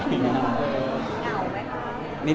ใกล้โจมตี